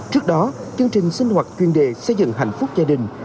trước đó chương trình sinh hoạt chuyên đề xây dựng hạnh phúc gia đình